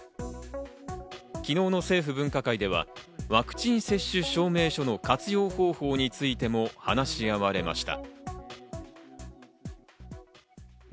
昨日の政府分科会ではワクチン接種証明書の活用方法についても話し合われました。